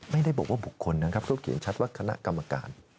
ไม่ได้บอกว่าบุคคลนะครับเขาเขียนชัดว่าคณะกรรมการ